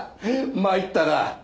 まいったな。